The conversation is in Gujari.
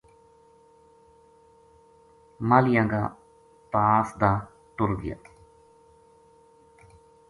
ماہلیاں کا پاس دا ٹُر گیا